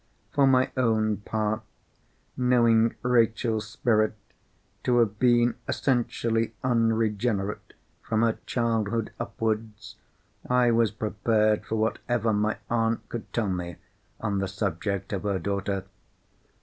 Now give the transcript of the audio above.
For my own part, knowing Rachel's spirit to have been essentially unregenerate from her childhood upwards, I was prepared for whatever my aunt could tell me on the subject of her daughter.